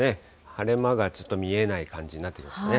晴れ間がちょっと見えない感じになってますね。